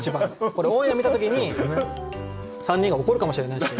これオンエア見た時に３人が怒るかもしれないし。